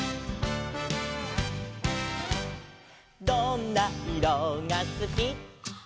「どんないろがすき」「」